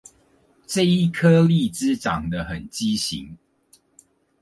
這顆荔枝長得很畸形